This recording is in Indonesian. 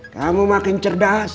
kamu makin cerdas